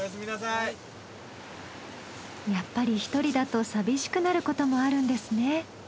やっぱり１人だと寂しくなることもあるんですね。